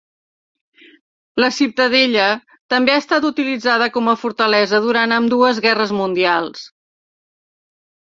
La ciutadella també ha estat utilitzada com a fortalesa durant ambdues Guerres Mundials.